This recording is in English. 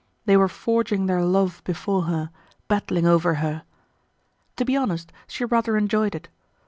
They were forging their love before her, battling over her. To be honest, she rather enjoyed it.